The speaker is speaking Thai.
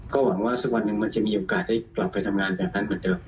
ก็หวังว่าสักวันหนึ่งมันจะมีโอกาสได้กลับไปทำงานแบบนั้นเหมือนเดิม